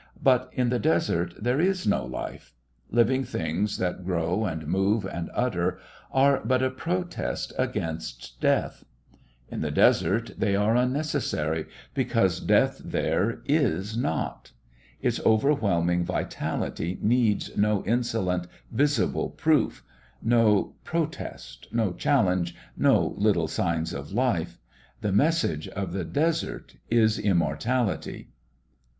But in the desert there is no life. Living things that grow and move and utter, are but a protest against death. In the desert they are unnecessary, because death there is not. Its overwhelming vitality needs no insolent, visible proof, no protest, no challenge, no little signs of life. The message of the desert is immortality....